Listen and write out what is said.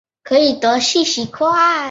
为一座暗礁。